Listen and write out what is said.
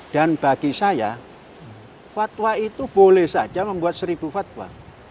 dan bagi saya fatwa itu boleh saja membuat seribu fatwa